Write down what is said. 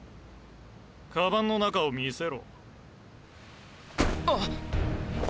カバンの中を見せろあっ！